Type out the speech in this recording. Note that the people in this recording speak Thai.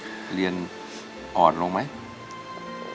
หนูก็ตั้งใจเรียนเหมือนเดิมเพราะคิดว่าถ้าตั้งใจเรียนก็จะได้มีงานดีทำค่ะ